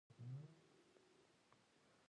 ځان قوي ښکاره که! دوښمن مو غواړي تاسي کمزوری وویني.